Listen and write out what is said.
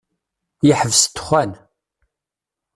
Yeḥbes ddexxan.